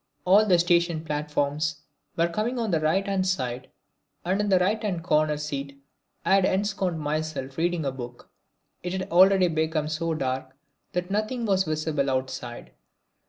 All the station platforms were coming on the right hand side, and in the right hand corner seat I had ensconced myself reading a book. It had already become so dark that nothing was visible outside.